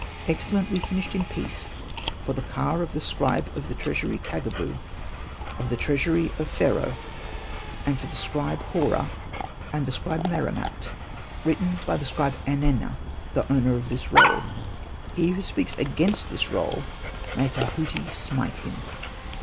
Excellently finished in peace, for the ka of the scribe of the treasury Kagabu, of the treasury of Pharaoh, and for the scribe Hora, and the scribe Meremapt, Written by the scribe Anena, the owner of this roll. He who speaks against this roll, may Tahuti smite him.